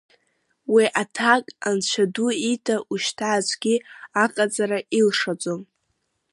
Уи аҭак Анцәа ду ида ушьҭа аӡәгьы аҟаҵара илшаӡом.